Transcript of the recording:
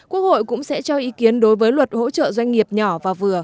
quốc hội cũng sẽ cho ý kiến đối với luật hỗ trợ doanh nghiệp nhỏ và vừa